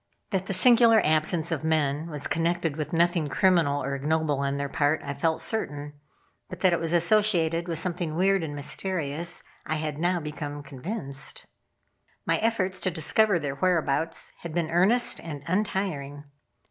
That the singular absence of men was connected with nothing criminal or ignoble on their part I felt certain; but that it was associated with something weird and mysterious I had now become convinced. My efforts to discover their whereabouts had been earnest and untiring.